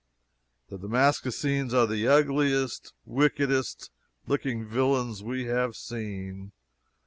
The Damascenes are the ugliest, wickedest looking villains we have seen.